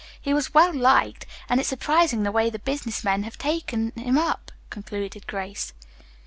He is well liked, and it's surprising the way the business men have taken him up," concluded Grace.